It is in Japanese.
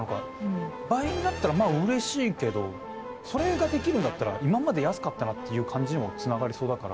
倍になったらまあうれしいけどそれができるんだったら今まで安かったなっていう感じにもつながりそうだから。